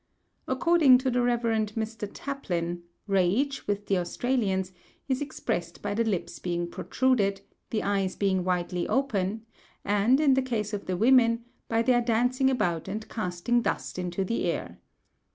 According to the Rev. Mr. Taplin, rage, with the Australians, is expressed by the lips being protruded, the eyes being widely open; and in the case of the women by their dancing about and casting dust into the air.